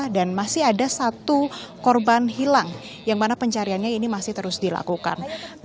dan masih ada satu korban hilang yang mana pencariannya ini masih terus dilakukan